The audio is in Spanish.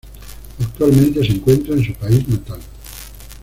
Actualmente, se encuentra en su país natal.